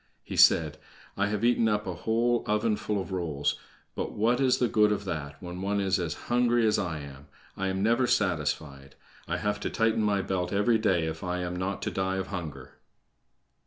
He said: "I have eaten up a whole oven full of rolls, but what is the good of that when any one is as hungry as I am. I am never satisfied. I have to tighten my belt every day if I am not to die of hunger."